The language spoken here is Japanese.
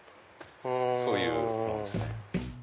そういうものですね。